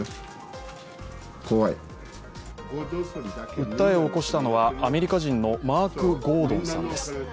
訴えを起こしたのはアメリカ人のマーク・ゴードンさんです。